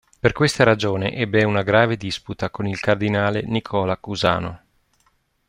Per questa ragione ebbe una grave disputa con il cardinale Nicola Cusano.